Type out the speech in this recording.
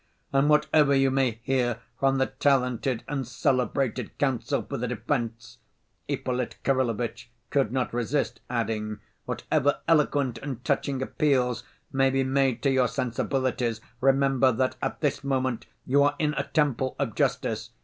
"And whatever you may hear from the talented and celebrated counsel for the defense," Ippolit Kirillovitch could not resist adding, "whatever eloquent and touching appeals may be made to your sensibilities, remember that at this moment you are in a temple of justice.